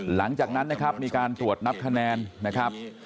หลังจากนั้นนะครับมีการตรวจนับคะแนนนะครับ